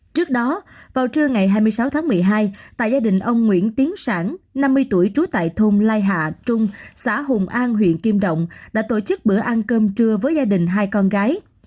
trước đó vào trưa ngày hai mươi sáu tháng một mươi hai tại gia đình ông nguyễn tiến sản năm mươi tuổi trú tại thôn lai hạ trung xã hùng an huyện kim động đã tổ chức bữa ăn cơm trưa với gia đình hai con gái